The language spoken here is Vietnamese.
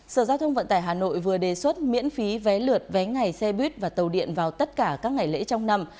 sở giao thông vận tải hà nội vừa đề xuất miễn phí vé lượt vé ngày xe buýt và tàu điện vào tất cả các ngày lễ trong năm